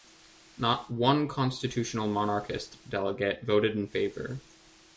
Not one constitutional monarchist delegate voted in favour.